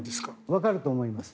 わかると思います。